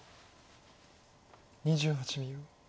２８秒。